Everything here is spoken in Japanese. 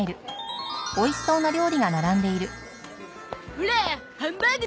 オラハンバーグ